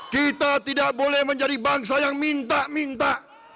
kita tidak boleh menjadi bangsa yang minta minta